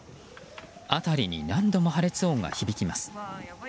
辺りに何度も破裂音が響きます。